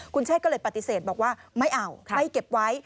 คุณเชษก็เลยปฏิเสธบอกว่าไม่เอาไม่เก็บไว้